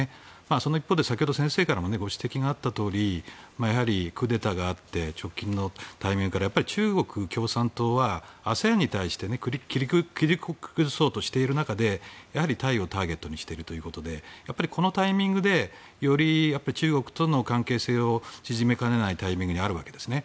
その一方、先生からもご指摘があったとおりクーデターがあって直近のタイミングで中国共産党はＡＳＥＡＮに対して切り崩そうとしている中でタイをターゲットにしているという中でこのタイミングでより中国との関係性を縮めかねないタイミングにあるわけですね。